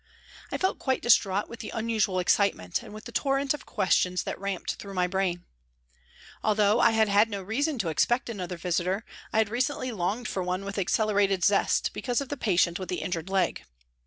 I felt quite distraught with the unusual excitement, and with the torrent of questions that ramped through my brain. Although I had had no reason to expect another visitor, I had recently longed for one with accelerated zest because of the patient with the injured leg.